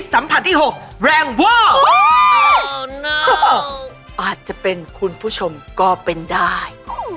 ข้าป่าเขาเจอผีไง